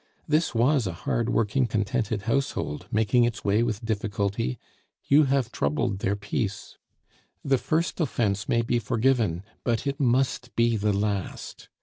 This was a hard working, contented household, making its way with difficulty; you have troubled their peace. The first offence may be forgiven, but it must be the last.